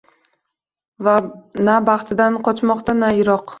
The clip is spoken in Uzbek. Na baxtidan qochmoqda yiroq!